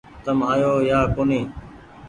تم آيو يا ڪونيٚ